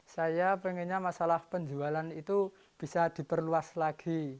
saya pengennya masalah penjualan itu bisa diperluas lagi